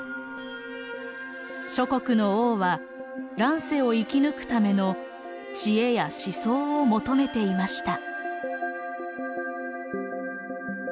諸国の王は乱世を生き抜くための智慧や思想を求めていました。